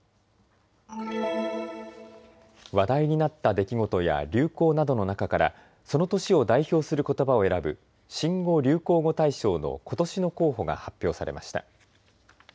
話題になった出来事や流行などの中からその年を代表することばを選ぶ新語・流行語大賞のことしの候補が発表されました。